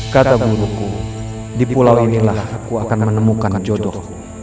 kata buruk di pulau inilah aku akan menemukan jodoh